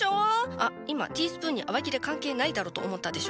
あっ今ティースプーンに洗剤いらねえだろと思ったでしょ。